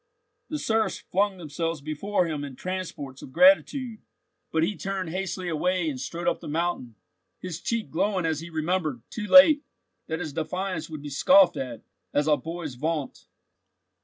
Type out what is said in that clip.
The serfs flung themselves before him in transports of gratitude, but he turned hastily away and strode up the mountain, his cheek glowing as he remembered, too late, that his defiance would be scoffed at, as a boy's vaunt.